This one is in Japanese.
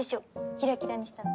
キラキラにしたの。